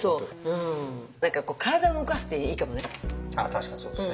確かにそうですね。